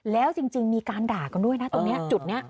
แล้วจริงมีการด่ากันด้วยนะทุกนี้